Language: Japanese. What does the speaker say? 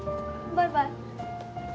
バイバイ。